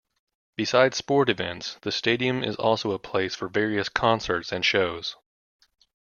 Beside sport events, the stadium is also a place for various concerts and shows.